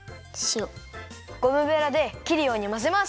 ゴムベラできるようにまぜます。